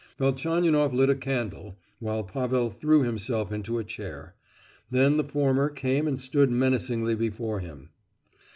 Velchaninoff lit a candle, while Pavel threw himself into a chair;—then the former came and stood menacingly before him.